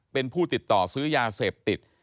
เป็นผู้ติดต่อซื้อยาเสพติด